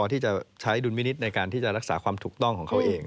ที่จะใช้ดุลมินิษฐ์ในการที่จะรักษาความถูกต้องของเขาเอง